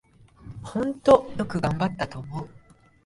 ほんとよく頑張ったと思う